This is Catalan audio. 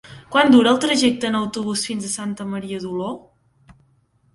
Quant dura el trajecte en autobús fins a Santa Maria d'Oló?